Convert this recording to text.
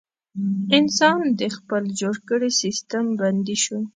انسان د خپل جوړ کړي سیستم بندي شو.